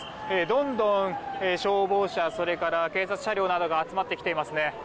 どんどん消防車それから警察車両などが集まってきていますね。